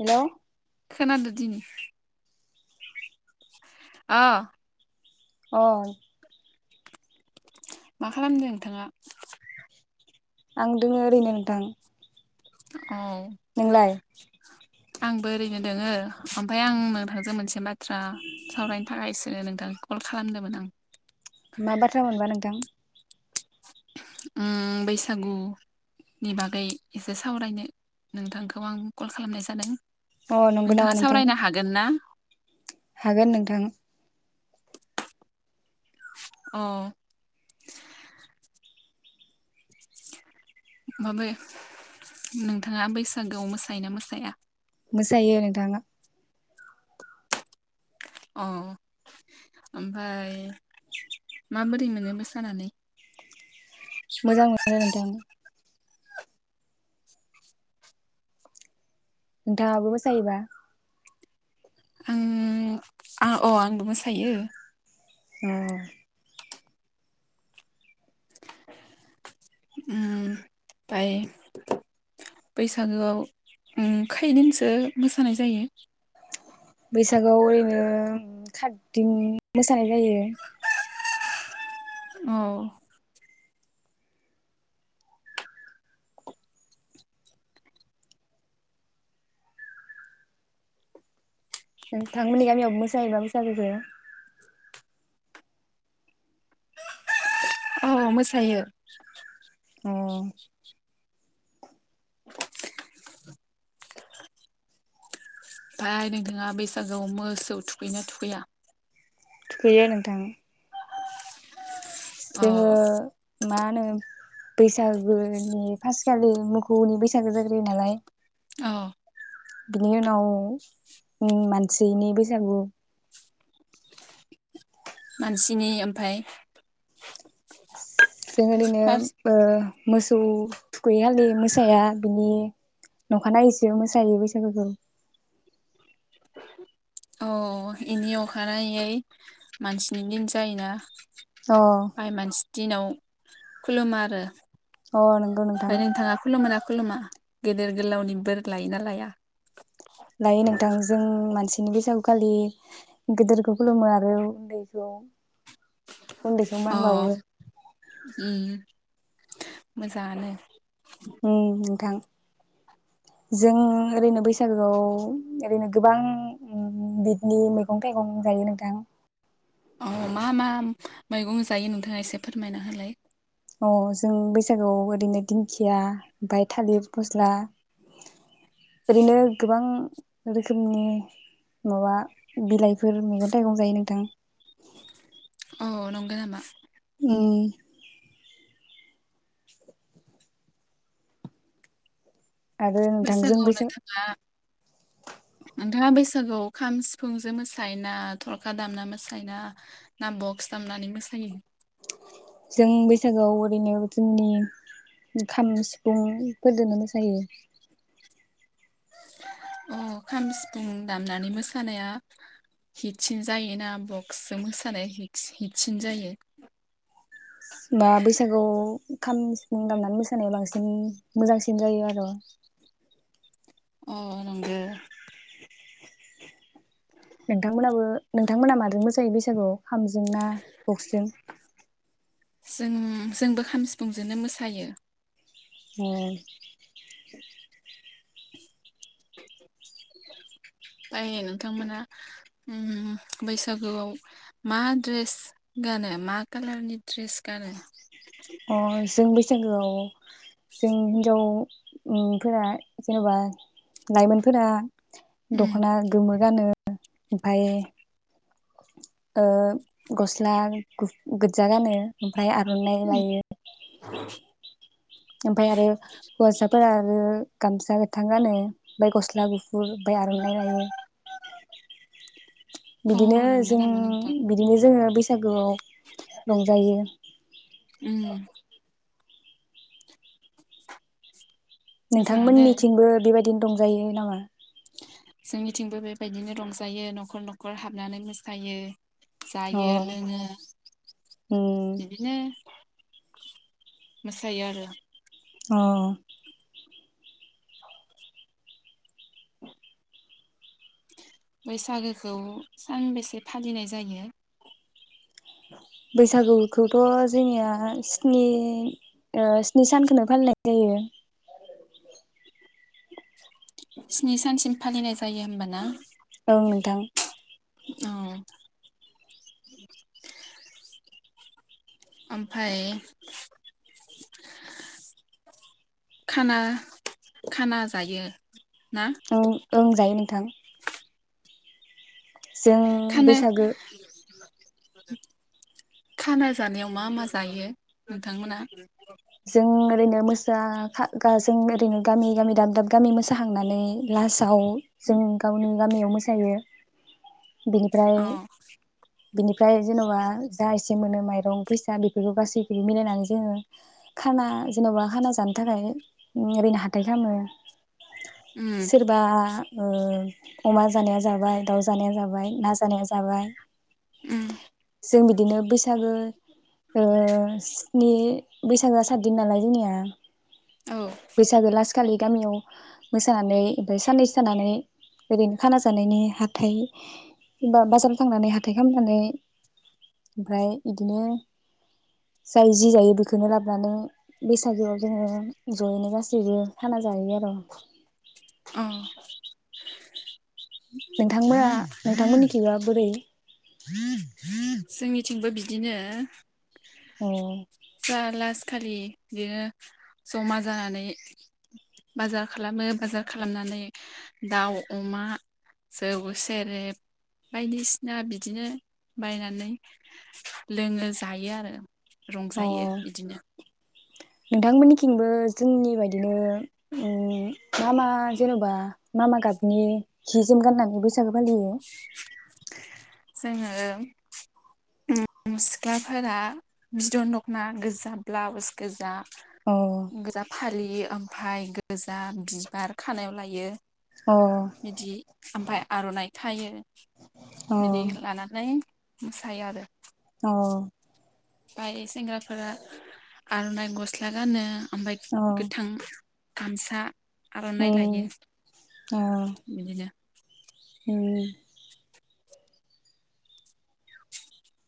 हेल खोनादोदिनि। अ अ मा खालामदों नोंथाङा? आं दोङो ओरैनो नोंथां। औ नोंलाय आंबो ओरैनो दोङो ओमफ्राय आंनो [unintelligible] मोनसे माथ थ्रा सावरायनो थाखायसो‌ नोंथां कल खालामदोंमोन आं। मा बाथ्रा मोनबा नोंथां? उम बैसागु नि बागै एसे सावरायनो नोंथांखौ आं कल खालामनाय जादों। अ नंगौ नामा नोंथाङा नोंथां सावरायनो हागोन ना? हागोन नोंथां। अ [unintelligible] नोंथाङा बैसागोआव मोसायो ना मोसाया? मोसायो नोंथाङा अ ओमफाय माबोरै मोनो मोसानानै? मोजां मोनो नोथां। नोंथाङाबो मोसायोबा आं आं अ आंबो मोसायो। उम उम फाय बैसागोआव उम खैदिनसो मोसानाय जायो? बैसागोआव ओरैनो खाद दिन मोसानाय जायो। औ नोंथांमोननि गामियाव मोसायोबा बैसागो? औ मोसायो। उम [inaudible] ओमफाय नोंथाङा बैसागोआव मोसौ थुखैयो ना थुखैया? थुखैयो नोंथां। जोङो अ मा नो बैसागोनि फासखालि मोखौनि बैसागो जाग्रोयो नालाय औ बिनि उनाव मानसिनि बैसागु [inaudible] मानसिनि ओमफाय जों ओरैनो फार्स्ट ओ मोसौ थुखै खालि मोसाया बिनि न'खा नायैसो मोसायो बैसागुखौ। औ इनि अखानायै मानसिनि दिन जायो ना? अ दिनाव खुलुमो आरो अ नोंगौ नोंथां। ओमफ्राय नोंथाङा खुलुमोना खुलुमा गेदेर गोलावनि बोर लायो ना लाया? लायो नोंथां जों मानसि बिनि बैसागु खालि गिदिरखौ खुलुमो आरो उन्दैखौ उन्दैखौ अ मान बावो उम मोजाङानो। उम नोंथां जों ओरैनो बैसागोआव ओरैनो गोबां बिदनि मैगं थाइगं जायो नोंथां। औ मा मा मैगं जायो नोंथाङा एसे फोरमायना होलाय। अ जों बैसागुआव ओरैनो दिंखिया ओमफाय थालिर फस्ला ओरैनो गोबां रोखोमनि माबा बिलाइफोर मैगं थाइगं जायो नोंथां। अ नंगौ नामा? उम आरो नोंथांजों बैसागुआव नोंथां बैसाग नोंथाङा बैसागुआव खाम सिफुंजों मोसायो ना थरखा दामना मोसायोना ना बक्स दामनानै मोसायो? जों बैसागोआव ओरैनो जोंनि खाम सिफुंफोरदोनो मोसायो। अ खाम सिफुं दामनानै मोसानाया हिटसिन जायोना बक्सजों मोसानाया हिटस-हिटसिन जायो? बा बैसागु खाम सिफुं दामनानै मोसानाया बांसिन मोजांसिन जायो आर। अ नंगो। नोंथांमोनाबो नोंथांमोना माजों मोसायो बैसागु खामजों ना बक्सजों? जों जोंबो खाम सिफुंजोंनो मोसायो। होम [unintelligible] नोंथांमोना उम बैसागुआव मा ड्रेस गानो मा कालारनि ड्रेस गानो? अ जों बैसागोआव जों हिन्जाव उम फोरा जेनबा लाइमोनफोरा उम दखना गोमो गानो। ओमफाय ओ गस्ला गु गोजा गानो ओमफाय आरो उम, लायो [unintelligible] ओमफाय आरो हौवासाफोरा आरो गामसा गोथां गानो ओमफाय गस्ला गु [unintelligible] आर'नाइ लायो अ बिदिनो नंगौ जों नामा नोंथां बिदिनो जोङो बै [unintelligible] रंजायो। उम मोजाङानो नोंथांमोननिथिंबो बेबायदि [unintelligible] दंजायो नाङा जोंनिथिंबो बेबायदिनो रंजायो नखर नखर हाबनानै मोसायो। अ जायो लोङो उम बिदिनो मोसायो आरो। अ बैसागोखौ सानबेसे फालिनाय जायो? बैसागुखौथ' जोंनिया स्नि ओ स्नि सानखोनो फालिनाय जायो। स्नि सानसिम फालिनाय जायो होमबाना? औ नोंथां। औ [inaudible] ओमफाय खाना खाना जायो। ना औ ओं जायो नों थां जों खानो बैसागो खाना जानायाव मा मा जायो नोंथांमोना? जों ओरैनो मोसा [unintelligible] जों ओरैनो गामि गामि दाब दाब गामि मोसाहांनानै लास दाउ जों गावनि गामियाव मोसायो। बिनिफ्राय अ बिनिफ्राय जेनबा जा एसे मोनो माइरं फैसा बेफोरखौ गासैखौबो मिलायनानै जोङो खाना जेनबा खाना जानो थाखाय ओरैनो हाथाइ खामो। उम सोरबा ओ अमा जानाया जाबाय दाउ जानाया जाबाय ना जानाया जाबाय। उम जों बिदिनो बैसागो ओ स्नि बैसागोआ सा साददिन नालाय जोंनिया। औ बैसागो लास खालि गामियाव मोसानानै ओमफ्राय साननैसो थानानै ओरैनो खाना जानायनि हाथाइ बा बा-बाजाराव थांनानै हाथाइ खनानै ओमफ्राय बिदिनो जाय जि जायो बेखौनो लाबोनानै बैसागोआव जोङो जयैनो गासैबो खाना जायो आर। अ नोंथांमोना नोंथांमोननि थिबा बोरै? [inaudible] जोंनिथिंबो बि दिनो अ दा लास खालि बिनो जमा जानानै बाजार खालामो बाजार खालामनानै दाउ अमा जौ सेरेब बायदिसिना बिदिनो बायनानै लोङो जायो आरो रं अ जायो बिदिनो। नोंथांमोननिथिंबो जोंनि बायदिनो उम मा मा जेनेबा मा मा गाबनि हि जोम गाननानै बैसागो फालियो? जोङो सिख्लाफोरा बिदन दखना गोजा ब्लाउस गोजा अ गोजा फालियो ओम फाय गोजा बिबार खानायाव लायो। अ बिदि ओमफाय आरनाइ थायो। अ बिदि लानानै मोसायो आरो। अ बाय सेंग्राफोरा आरनाइ गस्ला गानो ओमफ्राय अ गोथां गामसा आर'नाइ उम लायो औ बिदिनो उम। [inaudible]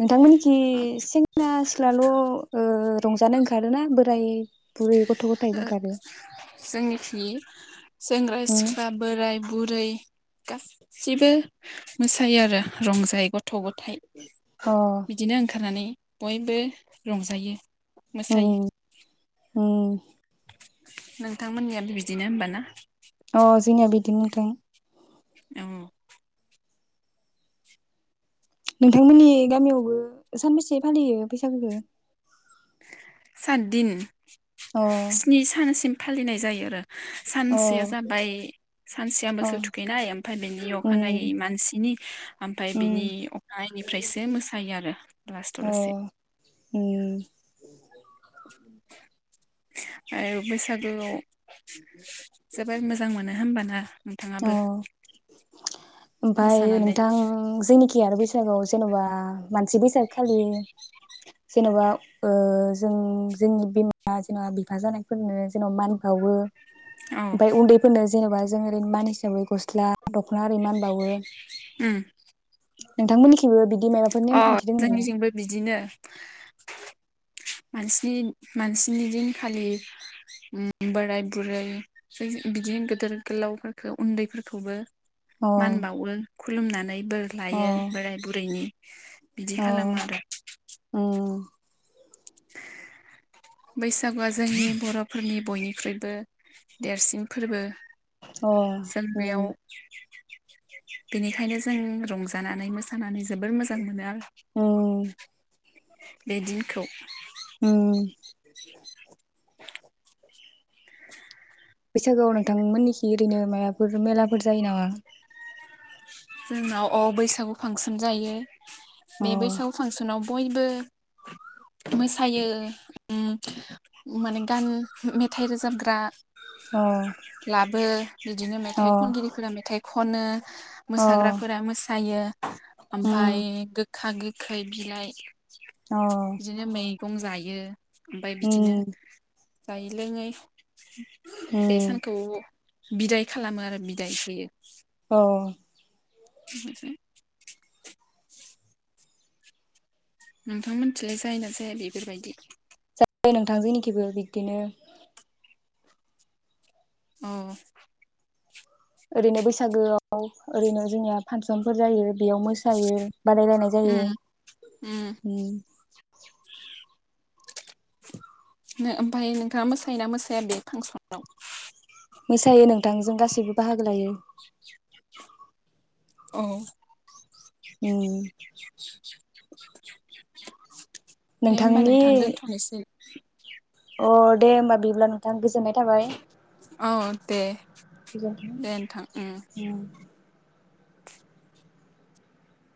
नोंथांमोन थि सेंग्रा सिख्लाल ओ रंजानो ओंखारोना बोराइ बुरै गथ गथायबो ओंखारो। जोंनिखि सेंग्रा उम सिख्ला बोराइ बुरै गासिबो मोसायो आरो रंजायो गथ' गथ थाय अ बिदिनो ओंखारनानै बयबो रंजायो। अ मोसायो अ नोंथांमोननियाबो बिदिनो होनबाना? अ जोंना बिदिनो। [unintelligible] औ नोंथांमोननि गामियावबो सानबेसे फालियो बैसागोखौ? सातदिन अ स्नि सानसिम फालिनाय जायो आरो। अ सानसेया जाबाय सानसेया अ मोसौ थुखैनाय ओमफाय बेनि उम अखानायै मानसिनि ओमफाय उम बिनि अखानायैफ्रायसो मोसायो आरो लास्थाव अ लासे। [inaudible] आरो बैसागोआव जोबोर मोजां मोनो होनबाना [unintelligible] अ ओमफाय मोसानानै नोंथां जोंनिखि [unintelligible] बैसागुआव जेनेबा मानसि बैसागु खालि जेनबा ओ जों जोंनि बिमा जेनेबा बिफा जानायफोरनो जेनबा मान बावो। औ ओमफाय उन्दैफोरनो जेनबा मान हिसाबै गस्ला। दखना ओरै मान बावो। उम नोंथांमोननिखिबो बि अ जोंनिजोंंबो बिदिनो। मानसिनि मानसिनि दिनखालि उम बोराय बुरै [inaudible] बिदिनो गिदिर गोलावफोरखौ उन्दैफोरखौबो अ मान बावो। खुलुमनानै बोर लायो बोराय बुरैनि। [inaudible] औ खालामो आरो उम बैसागुआ जोंनि बर'फोरनि बयनिख्रुइबो देरसिन फोरबो। अ उम सेलफेयाव बेनिखायनो जों रंजानानै मोसानानै जोब जोबोर मोजां मोनो आं उम बे दिनखौ ओम। बैसागोआव नोंथांमोननिखि ओरैनो मायबाफोर मेलाफोर जायो नामा? जोंनाव अ बैसागु फांसन जायो। अ बे बैसागु फांसनाव बयबो मोसायो उम माने गान मेथाइ रोजाबग्रा अ लाबो बिदिनो अ मेथाइ खनगिरिफोरा मेथाइ खनो [unintelligible] अ मोसाग्राफोरा मोसायो ओमफ्राय उम गो खा गिखै बिलाइ अ बिदिनो मै गं जायो। ओमफ्राय बिदिनो उम जायै लोङै बे उम सानखौ बिदाय खालामो आरो बिदाय होयो। अ [inaudible] नोंथांमोनथिलाय जाय ना जाया बेफोरबायदि? दे नोंथां जोंनिखैबो बिब्दिनो औ ओरैनो बैसागोआव ओरैनो जोंनिया फानसनफोर जायो। बेयाव मोसायो बादायलायनाय उम उम जायो। ओमफ्राय नोंथाङा मोसायोना मोसाया बे फांसनाव? मोसायो नोंथां जों गासैबो बाहागो लायो। औ उम [unintelligible] दे होमबा नोंथांनि नोंथां दोनथ'नोसै। अ दे होमब्ला बिदिब्ला नोंथां गोजोननाय थाबाय। औ दे। दे नोंथां उम [unintelligible]